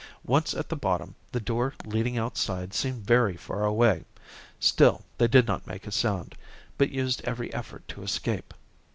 Once at the bottom, the door leading outside seemed very far away. Still they did not make a sound, but used every effort to escape.